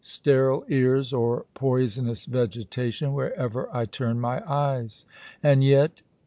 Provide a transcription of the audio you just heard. Sterile ears or poisonous vegetation, wherever I turn my eyes. And yet!